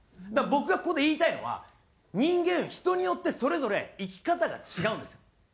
だから僕がここで言いたいのは人間人によってそれぞれ生き方が違うんですよ。